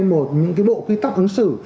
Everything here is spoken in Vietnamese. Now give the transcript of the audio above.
một những cái bộ quy tắc ứng xử